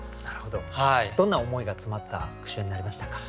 どんな思いが詰まった句集になりましたか？